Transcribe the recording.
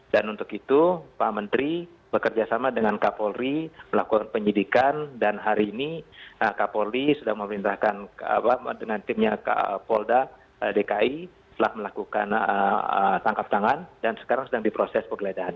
dan untuk itu pak menteri bekerjasama dengan kapolri melakukan penyidikan dan hari ini kapolri sudah memintakan dengan timnya kapolda dki telah melakukan tangkap tangan dan sekarang sedang diproses pergeledahan